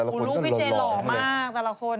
ลูกพี่เจหลอดมากแต่ละคน